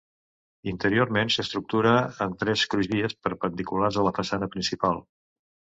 Interiorment s'estructura en tres crugies perpendiculars a la façana principal.